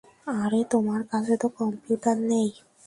আরে, তোমার কাছে তো কম্পিউটারই নেই।